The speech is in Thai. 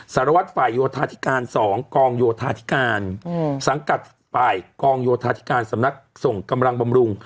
สารวัตรฝ่ายโยธาธิการ๒กองโยธาธิการสังกัดฝ่ายกองโยธาธิการสำนักส่งกำลังบำรุง